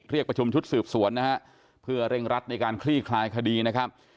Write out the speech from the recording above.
เรียกประชุมชุดสืบสวนนะฮะเพื่อเร่งรัดในการคลี่คลายคดีนะครับ